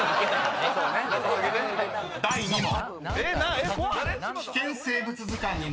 ［第２問］